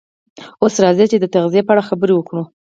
اوس راځئ چې د تغذیې په اړه خبرې وکړو